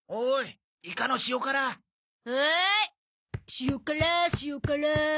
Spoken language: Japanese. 塩辛塩辛。